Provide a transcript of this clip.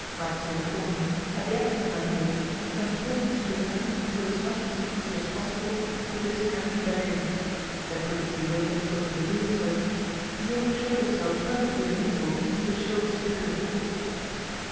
Racksole accordingly had the excellent idea of transporting his prisoner, with as much secrecy as possible, to this empty bedroom. There proved to be no difficulty in doing so; Jules showed himself perfectly amenable to a show of superior force.